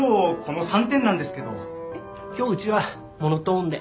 今日うちはモノトーンで。